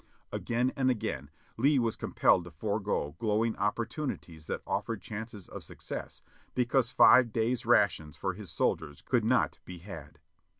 Again and again Lee was compelled to forego glowing opportunities that offered chances Oi success because five days' rations for his soldiers could not be had.